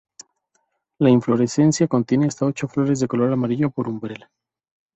La inflorescencia contiene hasta ocho flores de color amarillo por umbela.